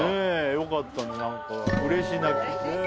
よかったねうれし泣き。